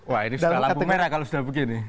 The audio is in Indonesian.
wah ini sudah lampu merah kalau sudah begini